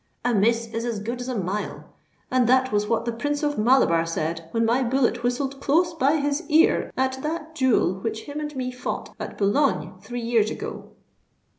"A miss is as good as a mile; and that was what the Prince of Malabar said when my bullet whistled close by his ear at that duel which him and me fought at Boulogne three years ago.